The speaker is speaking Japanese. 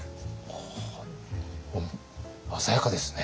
ほう鮮やかですね。